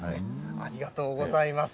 ありがとうございます。